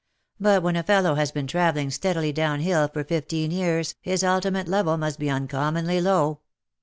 But when a fellow has been travelling steadily down hill for fifteen years, his ultimate level must be uncommonly low."